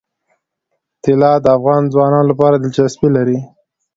طلا د افغان ځوانانو لپاره دلچسپي لري.